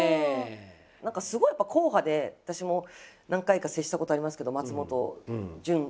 何かすごいやっぱ硬派で私も何回か接したことありますけど松本潤君は。